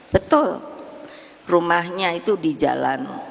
betul rumahnya itu di jalan